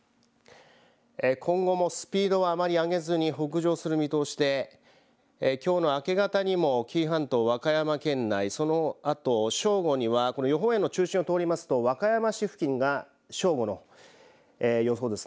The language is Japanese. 今後もスピードはあまり上げずに北上する見通しできょうの明け方にも紀伊半島和歌山県内そのあと正午にはこの予報円の中心を通りますと和歌山市付近が正午の予想です。